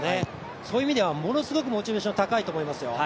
そういう意味ではものすごくモチベーション高いと思いますよ。